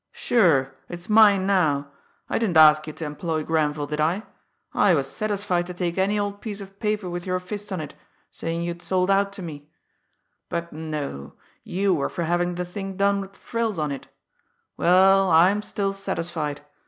Sure, it's mine now! I didn't ask you to employ Grenville, did I? I was satisfied to take any old piece of paper with your fist on it, saying you'd sold out to me; but no, you were for having the thing done with frills on it Well, I'm still satisfied!